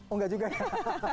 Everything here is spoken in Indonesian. oh enggak juga ya